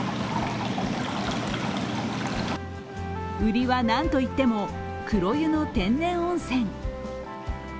売りは、なんといっても黒湯の天然温泉。